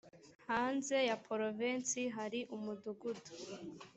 hanze ya provensi hari umudugudu